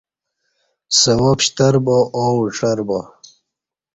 سوا پشتربا آو اُڄر با